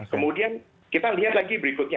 kemudian kita lihat lagi berikutnya